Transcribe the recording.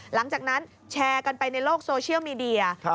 หลังจากนั้นแชร์กันไปในโลกโซเชียลมีเดีย